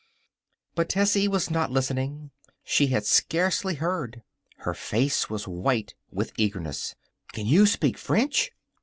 But Tessie was not listening. She had scarcely heard. Her face was white with earnestness. "Can you speak French?"